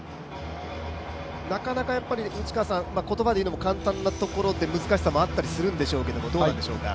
なかなか言葉で言うのも簡単なところで難しさもあったりするんでしょうけどどうなんでしょうか。